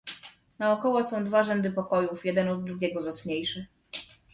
"Naokoło są dwa rzędy pokojów, jeden od drugiego zacniejszy."